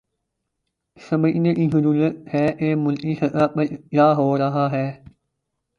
سمجھنے کی ضرورت ہے کہ ملکی سطح پہ کیا ہو رہا ہے۔